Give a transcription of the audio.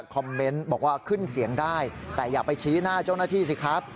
บอกว่าขึ้นเสียงได้แต่อย่าไปชี้หน้าเจ้าหน้าที่สิครับ